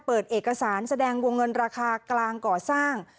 เปิดเอกสารแสดงวงเงินราคากลางก่อสร้าง